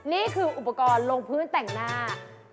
นี่คืออุปกรณ์ลงพื้นแต่งหน้า